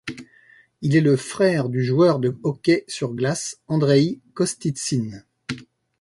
Il est le frère du joueur de hockey sur glace Andreï Kostitsyne.